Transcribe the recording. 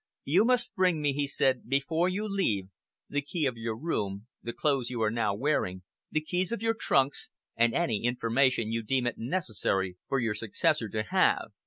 "You must bring me," he said, "before you leave, the key of your room, the clothes you are now wearing, the keys of your trunks, and any information you deem it necessary for your successor to have.